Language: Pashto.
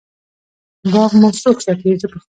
باغ مو څوک ساتی؟ زه پخپله